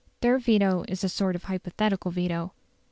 Their veto is a sort of hypothetical veto.